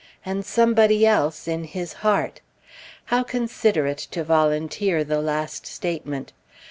"and Somebody else in his heart." How considerate to volunteer the last statement!